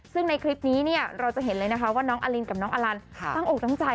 ซึ่งในคลิปนี้เนี่ยเราจะเห็นเลยนะคะว่าน้องอลินกับน้องอลันตั้งอกตั้งใจ